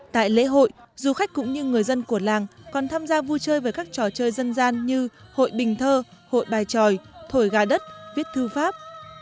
tại lễ hội du khách cũng như người dân của làng còn tham gia vui chơi với các trò chơi dân gian như hội bình thơ hội bài tròi thổi gà đất viết thư pháp